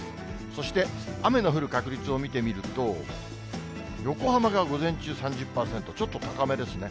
そして、雨の降る確率を見てみると、横浜が午前中３０％、ちょっと高めですね。